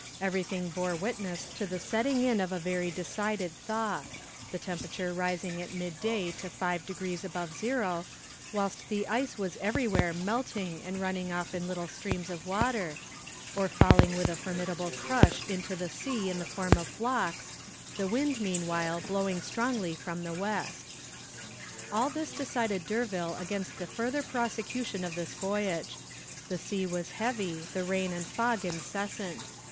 Everything bore witness to the setting in of a very decided thaw; the temperature rising at midday to five degrees above zero, whilst the ice was everywhere melting and running off in little streams of water, or falling with a formidable crush into the sea in the form of blocks, the wind meanwhile blowing strongly from the west. All this decided D'Urville against the further prosecution of this voyage. The sea was heavy, the rain and fog incessant.